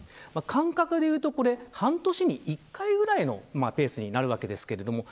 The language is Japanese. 間隔でいうと半年に１回ぐらいのペースになるわけです。